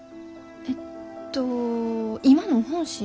えっと今の本心？